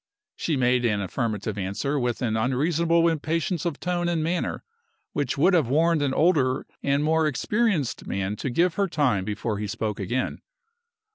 She made an affirmative answer with an unreasonable impatience of tone and manner which would have warned an older and more experienced man to give her time before he spoke again.